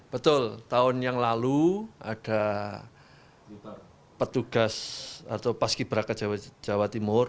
betul tahun yang lalu ada petugas atau paski beraka jawa timur